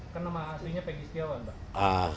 kenapa aslinya pegi setiawan pak